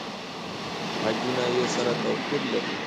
خجونه يې سره توپیر لري.